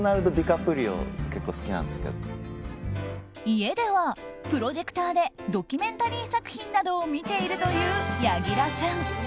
家ではプロジェクターでドキュメンタリー作品などを見ているという柳楽さん。